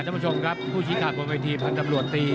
ท่านผู้ชิงขาดบนวัยทีผ่านตำรวจตี